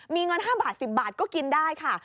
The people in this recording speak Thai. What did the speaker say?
มีเงิน๕บาท๑๐บาทก็กินได้ค่ะ